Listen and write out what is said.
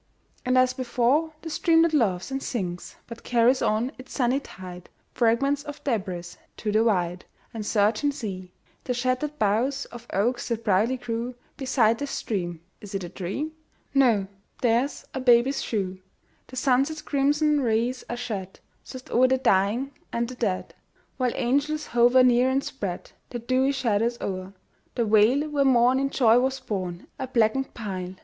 And as before The streamlet laughs and sings; But carries on its sunny tide Fragments of debris to the wide And surging sea, the shattered boughs Of oaks that proudly grew Beside the stream, is it a dream? No, there's a baby's shoe! The sunset's crimson rays are shed Soft o'er the dying and the dead. While angels hover near and spread Their dewy shadows o'er The vale where morn in joy was born A blackened pile!